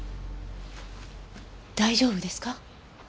大丈夫ですか？